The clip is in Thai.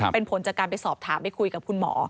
เป็นผลจากการไปสอบถามไปคุยกับคุณหมอ